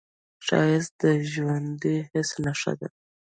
ښایست د ژوندي حس نښه ده